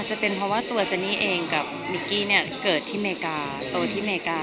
แสดงว่าทุกวันนี้ไม่ต้องกลับจูนอะไรกันแล้วใช่ไหมค่ะ